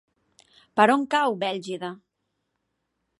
Per on cau Bèlgida?